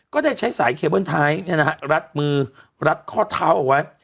ก็ได้ใช้สายเคเบิ้ลไทยรัดมือรัดข้อเท้าเอาไว้